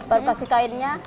baru kasih kainnya